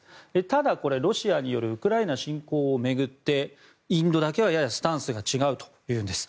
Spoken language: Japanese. ただ、これ、ロシアによるウクライナ侵攻を巡ってインドだけはややスタンスが違うんだというんです。